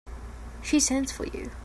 She sends for you.